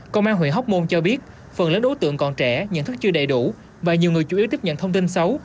công an huyện hóc môn cho biết phần lớn đối tượng còn trẻ nhận thức chưa đầy đủ và nhiều người chủ yếu tiếp nhận thông tin xấu